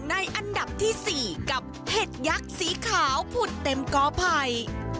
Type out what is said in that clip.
อันดับที่๔กับเห็ดยักษ์สีขาวผุดเต็มกอไผ่